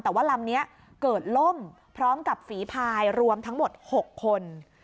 แต่ว่าลำนี้เกิดล่มพร้อมกับฝีพายรวมทั้งหมด๖คน